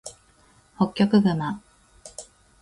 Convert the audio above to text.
ホッキョクグマ